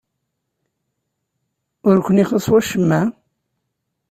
Ur kent-ixuṣṣ wacemma?